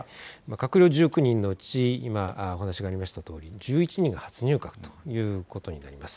閣僚１９人のうち今、お話があったとおり、１１人が初入閣ということになります。